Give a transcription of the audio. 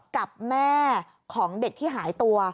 กับแม่ของเด็กที่หายตัว